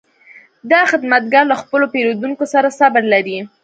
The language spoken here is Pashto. دا خدمتګر له خپلو پیرودونکو سره صبر لري.